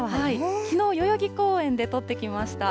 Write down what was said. きのう代々木公園で撮ってきました。